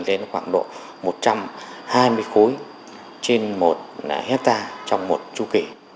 đến khoảng độ một trăm hai mươi khối trên một hectare trong một chu kỳ